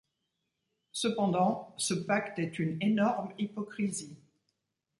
Cependant, ce pacte est une énorme hypocrisie.